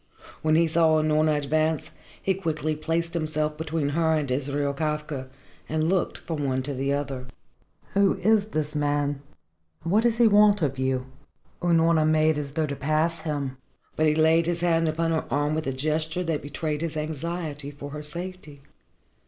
When he saw Unorna advance, he quickly placed himself between her and Israel Kafka, and looked from one to the other. "Who is this man?" he asked. "And what does he want of you?" Unorna made as though she would pass him. But he laid his hand upon her arm with a gesture that betrayed his anxiety for her safety.